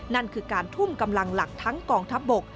นั่นคือการทุ่มกำลังหลักทั้งกองทัพบก